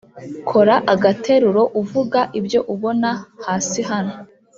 Kora agateruro uvuga ibyo ubona hasi hano